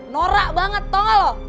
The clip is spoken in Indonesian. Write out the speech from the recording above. nora banget tau gak lo